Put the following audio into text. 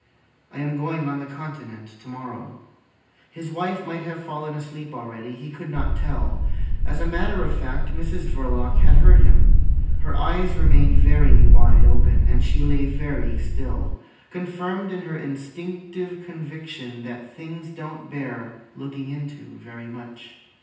"I am going on the Continent to morrow." His wife might have fallen asleep already. He could not tell. As a matter of fact, Mrs Verloc had heard him. Her eyes remained very wide open, and she lay very still, confirmed in her instinctive conviction that things don't bear looking into very much.